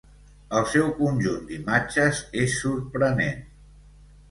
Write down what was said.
El seu conjunt d'imatges és sorprenent.